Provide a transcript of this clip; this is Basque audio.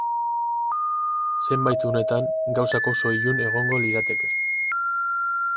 Zenbait unetan gauzak oso ilun egongo lirateke.